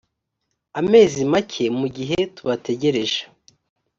amezi make mu gihe tubategereje